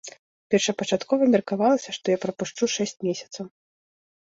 Першапачаткова меркавалася, што я прапушчу шэсць месяцаў.